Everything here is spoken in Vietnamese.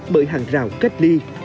bởi hàng rào cách ly